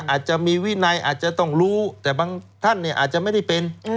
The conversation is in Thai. อาจจะมีวินัยอาจจะต้องรู้แต่บางท่านอาจจะไม่ได้เป็น